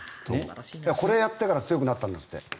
これをやってから強くなったんですって。